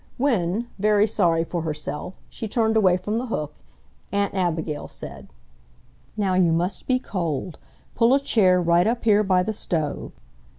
When, very sorry for herself, she turned away from the hook, Aunt Abigail said: "Now you must be cold. Pull a chair right up here by the stove."